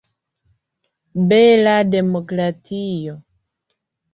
Bela demokratio!